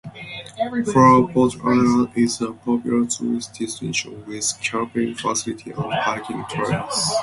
Flowerpot Island is a popular tourist destination, with camping facilities and hiking trails.